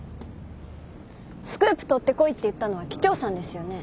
スクープ取ってこいって言ったのは桔梗さんですよね？